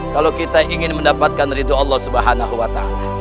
kalau kita ingin mendapatkan ritual allah swt